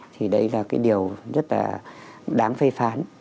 thì đấy là cái điều rất là đáng phê phán